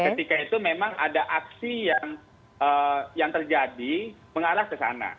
ketika itu memang ada aksi yang terjadi mengarah ke sana